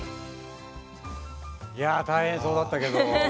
いや大変そうだったけどねえ